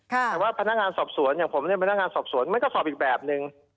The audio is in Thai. แต่ว่าพนักงานสอบสวนอย่างผมเนี่ยพนักงานสอบสวนมันก็สอบอีกแบบนึง